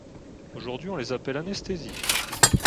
Aujourd’hui on les appelle anesthésie.